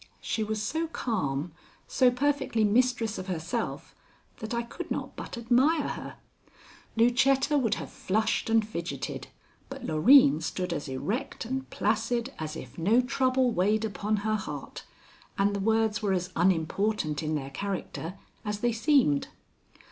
She was so calm, so perfectly mistress of herself, that I could not but admire her. Lucetta would have flushed and fidgeted, but Loreen stood as erect and placid as if no trouble weighed upon her heart and the words were as unimportant in their character as they seemed.